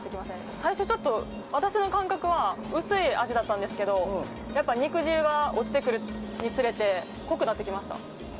最初、私の感覚は薄い味だったんですけどやっぱり肉汁が落ちてくるにつれて濃くなってきました。